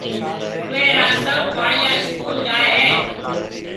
اوئيَ را سڀ ٻاݪيا اسڪول جائيَ ھيََََ